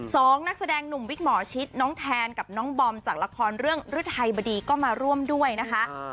สองนักแสดงหนุ่มวิกหมอชิดน้องแทนกับน้องบอมจากละครเรื่องฤทัยบดีก็มาร่วมด้วยนะคะ